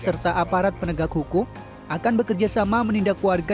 serta aparat penegak hukum akan bekerjasama menindak warga